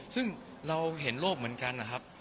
ซึ่งเราเห็นโลกเหมือนกันนะครับ